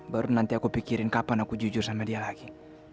baru nanti aku pikirin kapan aku jujur sama dia lagi